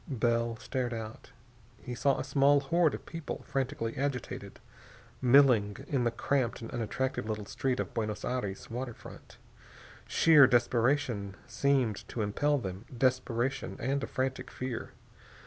Bell stared out. He saw a small horde of people, frantically agitated, milling in the cramped and unattractive little street of Buenos Aires' waterfront. Sheer desperation seemed to impel them, desperation and a frantic fear.